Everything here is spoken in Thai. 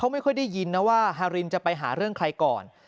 ไม่ค่อยได้ยินนะว่าฮารินจะไปหาเรื่องใครก่อน